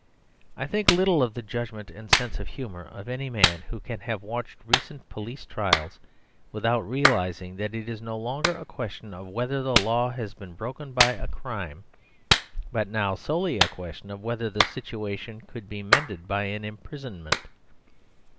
I think little of the judgment and sense of humour of any man who can have watched recent police trials without realising that it is no longer a question of whether the law has been broken by a crime; but, now, solely a question of whether the situation could be mended by an imprisonment.